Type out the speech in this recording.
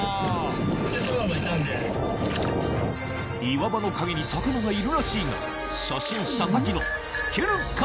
岩場の陰に魚がいるらしいが初心者瀧野突けるか？